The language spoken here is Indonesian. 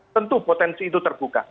tentu potensi itu terbuka